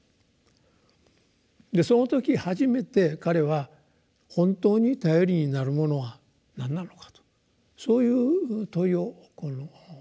その時初めて彼は本当に頼りになるものは何なのかとそういう問いを持つようになった。